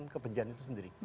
kebencian itu sendiri